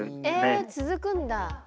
ええ続くんだ。